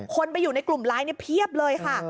คนไปอยู่ในกลุ่มไลน์เพียบเลยค่ะ